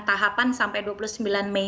tahapan sampai dua puluh sembilan mei